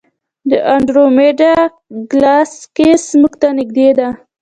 د انډرومیډا ګلکسي موږ ته نږدې ده.